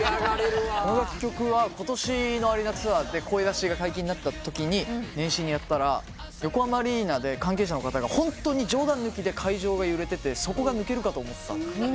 この曲はことしのアリーナツアーで声出しが解禁になったときに年始にやったら横浜アリーナで関係者の方がホントに冗談抜きで会場が揺れてて底が抜けるかと思ったって言ってて。